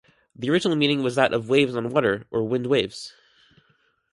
The original meaning was that of waves on water, or wind waves.